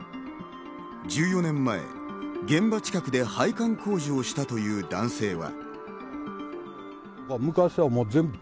１４年前、現場近くで配管工事をしたという男性は。